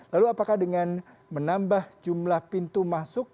lalu apakah dengan menambah jumlah pintu masuk